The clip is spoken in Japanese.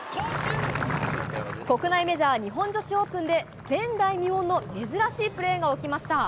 国内メジャー日本女子オープンで前代未聞の珍しいプレーが起きました。